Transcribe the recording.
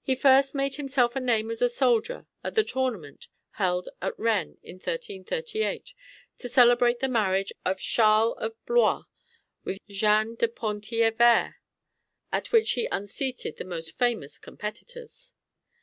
He first made himself a name as a soldier at the tournament held at Rennes in 1338 to celebrate the marriage of Charles of Blois with Jeanne de Penthièvere, at which he unseated the most famous competitors.